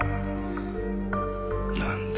なんだ？